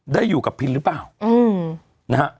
ได้อยู่กับพินหรือเปล่านะฮะ